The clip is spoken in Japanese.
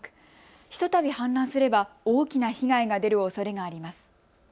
ひとたび氾濫すれば大きな被害が出るおそれがあります。